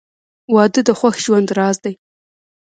• واده د خوښ ژوند راز دی.